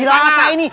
belajar di sana